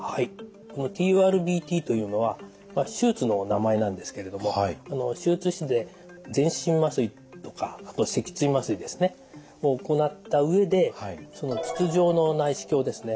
ＴＵＲＢＴというのは手術の名前なんですけれども手術室で全身麻酔とか脊椎麻酔ですね。を行った上で筒状の内視鏡ですね。